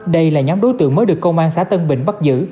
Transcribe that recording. đây là nhóm đối tượng mới được công an xã tân bình bắt giữ